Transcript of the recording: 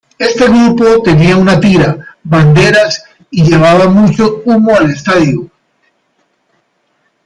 Este grupo tenía una tira, banderas y llevaba mucho humo al estadio.